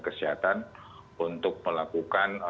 kesehatan untuk melakukan